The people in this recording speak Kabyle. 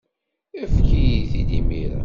Efk-iyi-t-id imir-a.